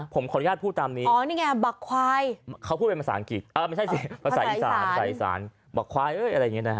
ผมขออนุญาตพูดตามนี้อ๋อนี่ไงบักควาย